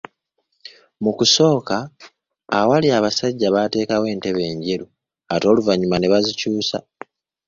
Mu kusooka awali abasajja baateekawo entebe enjeru ate oluvannyuma ne bazikyusa.